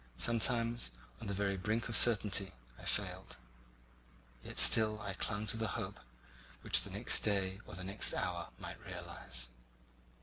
Sometimes, on the very brink of certainty, I failed; yet still I clung to the hope which the next day or the next hour might realise.